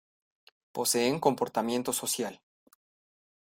Poseen comportamiento social.